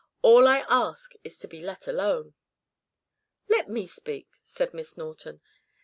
"All I ask is to be let alone." "Let me speak," said Miss Norton.